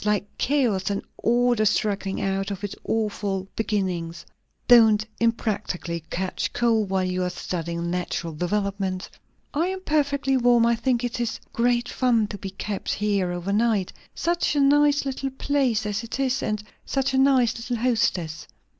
Like chaos, and order struggling out of its awful beginnings." "Don't unpractically catch cold, while you are studying natural developement." "I am perfectly warm. I think it is great fun to be kept here over night. Such a nice little place as it is, and such a nice little hostess.